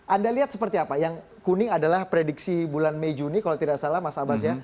anda lihat seperti apa yang kuning adalah prediksi bulan mei juni kalau tidak salah mas abbas ya